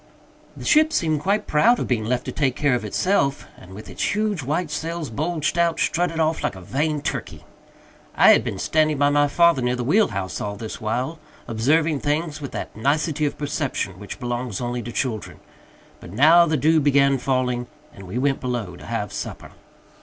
The ship seemed quite proud of being left to take care of itself, and, with its huge white sails bulged out, strutted off like a vain turkey. I had been standing by my father near the wheel house all this while, observing things with that nicety of perception which belongs only to children; but now the dew began falling, and we went below to have supper.